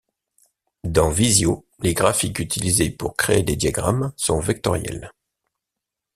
Dans Visio, les graphiques utilisés pour créer des diagrammes sont vectoriels.